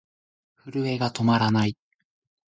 震えが止まらない。